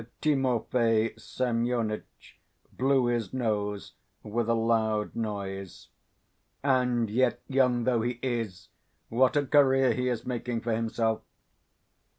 Timofey Semyonitch blew his nose with a loud noise. "And yet, young though he is, what a career he is making for himself."